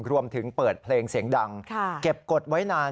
รวมถึงเปิดเพลงเสียงดังเก็บกฎไว้นาน